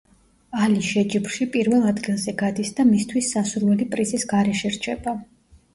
ალი შეჯიბრში პირველ ადგილზე გადის და მისთვის სასურველი პრიზის გარეშე რჩება.